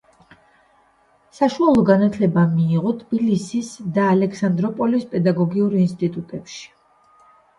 საშუალო განათლება მიიღო ტფილისის და ალექსანდროპოლის პედაგოგიურ ინსტიტუტებში.